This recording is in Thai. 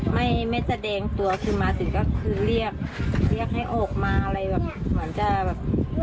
ไม่ไม่แสดงตัวคือมาถึงก็คือเรียกเรียกให้ออกมาอะไรแบบเหมือนจะแบบ